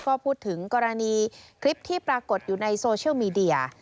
ก็พูดถึงกรณีคลิปที่ปรากฏอยู่ในโซเชียลมีเดีย